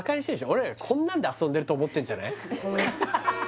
俺らこんなんで遊んでると思ってんじゃない？